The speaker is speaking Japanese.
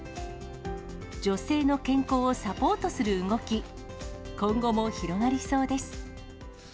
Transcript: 女性の健康をサポートする動き、今後も広がりそうです。